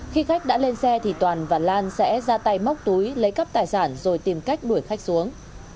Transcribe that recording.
khi khách đã lên xe thì toàn và lan sẽ ra tay móc túi lấy cắp tài sản rồi tìm cách đuổi khách xuống